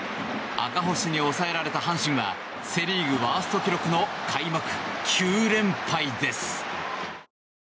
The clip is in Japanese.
赤星に抑えられた阪神はセ・リーグワースト記録の開幕９連敗です。